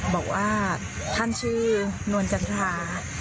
บอกว่าท่านชื่อนวลจันทรา